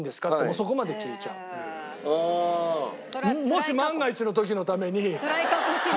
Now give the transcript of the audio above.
もし万が一の時のために。